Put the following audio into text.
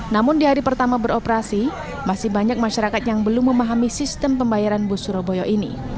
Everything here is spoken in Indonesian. namun di hari pertama beroperasi masih banyak masyarakat yang belum memahami sistem pembayaran bus surabaya ini